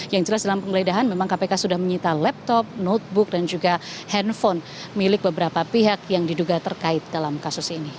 yang jelas dalam penggeledahan memang kpk sudah menyita laptop notebook dan juga handphone milik beberapa pihak yang diduga terkait dalam kasus ini